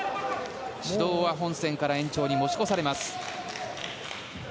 指導は本戦から延長に持ち越されます。